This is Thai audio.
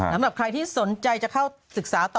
สำหรับใครที่สนใจจะเข้าศึกษาต่อ